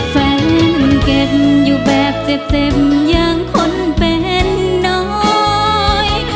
แฟนเก็บอยู่แบบเจ็บอย่างคนเป็นน้อย